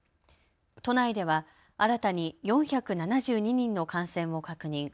都内では新たに４７２人の感染を確認。